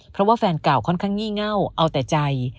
เพราะว่าแฟนเก่าค่อนข้างงี่เง่าเอาแต่ใจ